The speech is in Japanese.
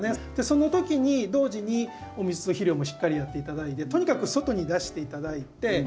その時に同時にお水と肥料もしっかりやって頂いてとにかく外に出して頂いて。